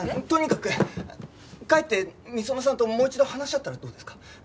とにかく帰って美園さんともう一度話し合ったらどうですか？